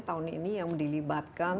tahun ini yang dilibatkan